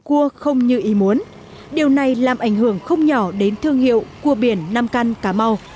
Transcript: cua không như ý muốn điều này làm ảnh hưởng không nhỏ đến thương hiệu cua biển nam căn cá mau